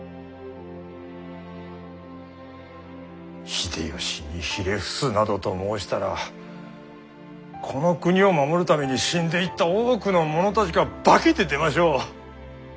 秀吉にひれ伏すなどと申したらこの国を守るために死んでいった多くの者たちが化けて出ましょう。